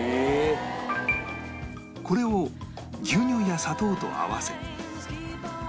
これを牛乳や砂糖と合わせ